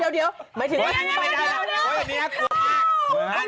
เดี๋ยว